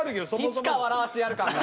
いつか笑わせてやるからな！